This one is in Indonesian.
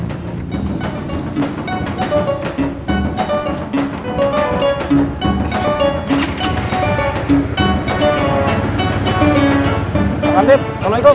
pak artief assalamualaikum